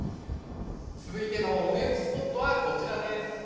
続いてのお値打ちスポットはこちらです。